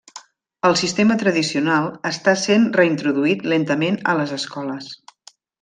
El sistema tradicional està sent reintroduït lentament a les escoles.